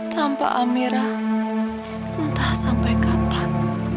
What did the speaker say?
tanpa amirah entah sampai kapan